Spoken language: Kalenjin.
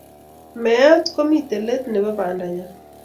Meet komitei let nebo bandanyo.